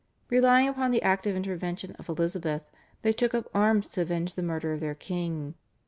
Relying upon the active intervention of Elizabeth they took up arms to avenge the murder of their king.